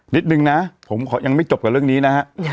นิดนึงนะผมขอยังไม่จบกับเรื่องนี้นะฮะ